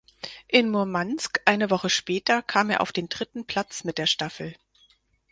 In Murmansk eine Woche später kam er auf den dritten Platz mit der Staffel.